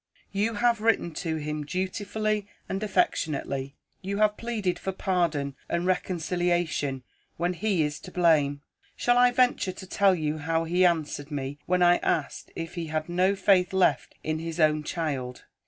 You have written to him dutifully and affectionately; you have pleaded for pardon and reconciliation, when he is to blame. Shall I venture to tell you how he answered me, when I asked if he had no faith left in his own child?